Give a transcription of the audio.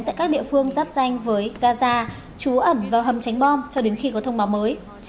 tại các địa phương giáp danh với gaza trú ẩn vào hầm tránh bom cho đến khi có thông báo mới